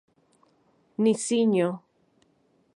Nisiño